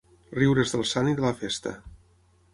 Riure's del sant i de la festa.